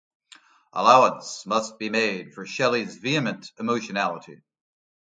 Allowance must be made for Shelley's vehement emotionality.